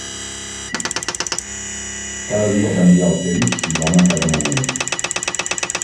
Cada dia canvia el temps, i l'home cada moment.